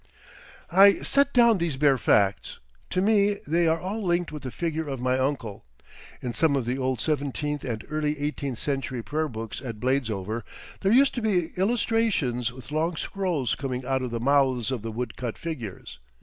I set down these bare facts. To me they are all linked with the figure of my uncle. In some of the old seventeenth and early eighteenth century prayerbooks at Bladesover there used to be illustrations with long scrolls coming out of the mouths of the wood cut figures.